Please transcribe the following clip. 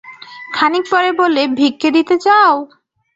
খানিক পরে বললে, ভিক্ষে দিতে চাও!